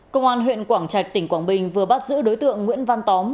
công an huyện quảng trạch tỉnh quảng bình vừa bắt giữ đối tượng nguyễn văn tóm